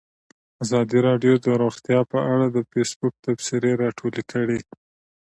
ازادي راډیو د روغتیا په اړه د فیسبوک تبصرې راټولې کړي.